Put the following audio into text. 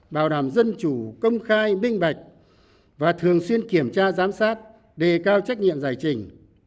bảo đảm dân chủ công khai minh bạch và thường xuyên kiểm tra giám sát đề cao trách nhiệm giải trình